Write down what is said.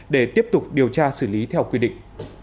để tiếp tục điều tra xử lý theo quy định